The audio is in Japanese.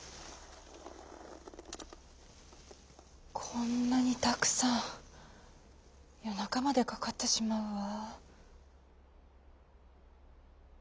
「こんなにたくさんよなかまでかかってしまうわ」。